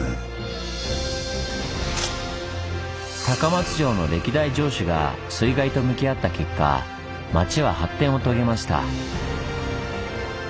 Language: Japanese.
高松城の歴代城主が水害と向き合った結果町は発展を遂げました。